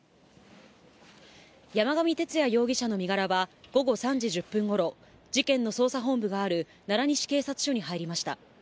山上徹也容疑者の身柄は午後３時１０分ごろ、事件の捜査本部がある奈良西警察署に入りました。